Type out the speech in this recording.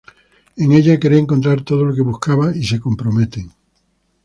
En ella cree encontrar todo lo que buscaba y se comprometen.